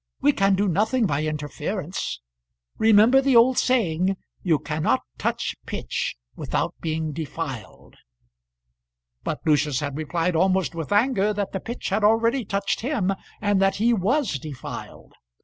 We can do nothing by interference. Remember the old saying, You cannot touch pitch without being defiled." But Lucius had replied, almost with anger, that the pitch had already touched him, and that he was defiled.